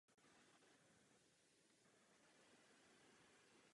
Gruzie má právo spoléhat na naši diplomatickou a materiální pomoc.